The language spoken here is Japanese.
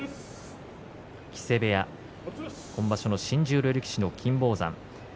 木瀬部屋、今場所の新十両力士の金峰山。